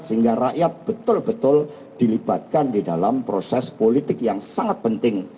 sehingga rakyat betul betul dilibatkan di dalam proses politik yang sangat penting